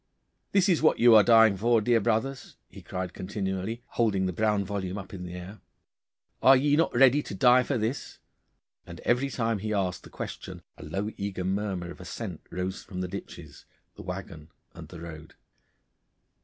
'This is what you are dying for, dear brothers,' he cried continually, holding the brown volume up in the air; 'are ye not ready to die for this?' And every time he asked the question a low eager murmur of assent rose from the ditches, the waggon, and the road.